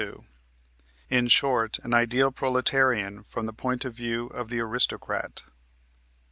2.) in short, an ideal proletarian from the point of view of the aristocrat.